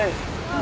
あ。